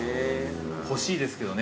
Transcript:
欲しいですけどね